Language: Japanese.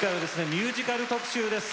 「ミュージカル特集」です。